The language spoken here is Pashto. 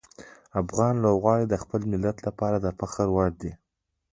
افغان لوبغاړي د خپل ملت لپاره د فخر وړ دي.